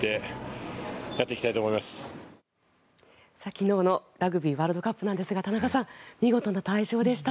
昨日のラグビーワールドカップですが田中さん、見事な大勝でした。